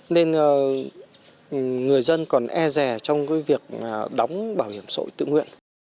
nên người dân còn e rè trong việc đóng bảo hiểm xã hội tự nguyện